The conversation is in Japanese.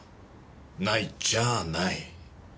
ないっちゃあない。